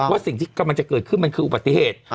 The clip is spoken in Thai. ว่าสิ่งที่กำลังจะเกิดขึ้นมันคืออุบัติเหตุ